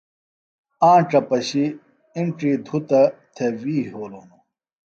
آنڇہ پشیۡ اِنڇی دھُتہ تھےۡ وی یھولوۡ ہنوۡ